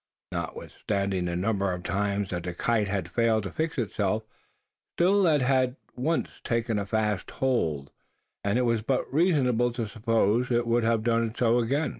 Notwithstanding the number of times that the kite had failed to fix itself, still it had once taken a fast hold, and it was but reasonable to suppose it would have done so again.